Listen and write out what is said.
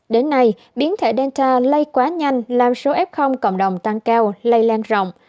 đến nay biến thể delta lay quá nhanh làm số f cộng đồng tăng cao lay lan rộng